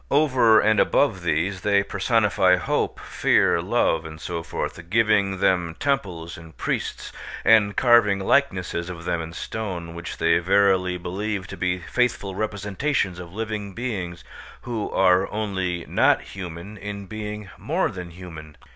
Over and above these they personify hope, fear, love, and so forth, giving them temples and priests, and carving likenesses of them in stone, which they verily believe to be faithful representations of living beings who are only not human in being more than human.